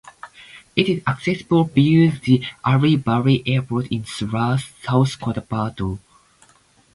It is accessible via the Allah Valley Airport in Surallah, South Cotabato.